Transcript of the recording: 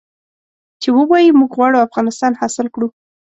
چې ووايي موږ غواړو افغانستان حاصل کړو.